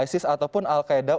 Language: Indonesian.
isis ataupun al qaeda